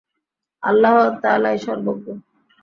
আল্লাহ তাআলাই সর্বজ্ঞ।